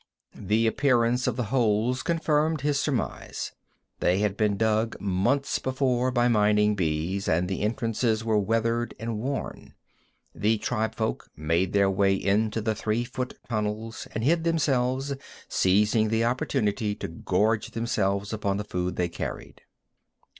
The appearance of the holes confirmed his surmise. They had been dug months before by mining bees, and the entrances were "weathered" and worn. The tribefolk made their way into the three foot tunnels, and hid themselves, seizing the opportunity to gorge themselves upon the food they carried.